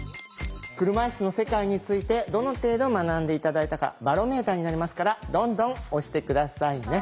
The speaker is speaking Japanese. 車いすの世界についてどの程度学んで頂いたかバロメーターになりますからどんどん押して下さいね。